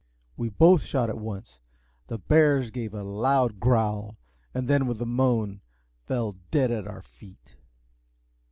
We both shot at once; the bears gave a loud growl, and then, with a moan, fell dead at our feet.